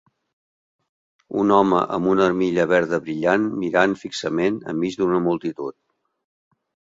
Un home amb una armilla verda brillant mirant fixament enmig d'una multitud.